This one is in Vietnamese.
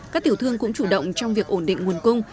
các tiểu thương cũng chủ động trong việc ổn định nguồn cung